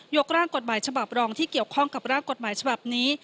กร่างกฎหมายฉบับรองที่เกี่ยวข้องกับร่างกฎหมายฉบับนี้